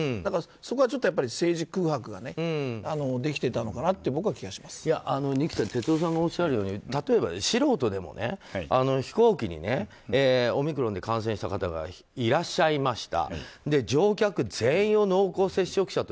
そこは政治空白ができていたと哲夫さんがおっしゃるように素人でも飛行機に、オミクロン株で感染した方がいらっしゃいました。